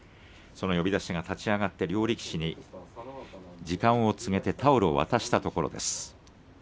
その呼出しが立ち上がって力士に時間を告げてタオルを渡したところです。